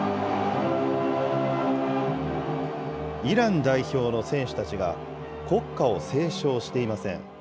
イラン代表の選手たちが国歌を斉唱していません。